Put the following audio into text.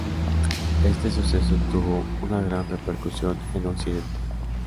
Este suceso tuvo una gran repercusión en Occidente.